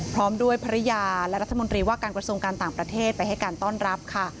พร้อมด้วยภรรยาและรัฐมนตรีว่าการกระทรวงการต่างประเทศไปให้การต้อนรับค่ะ